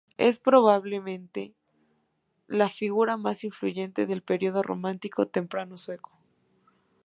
Es probablemente la figura más influyente del período romántico temprano sueco.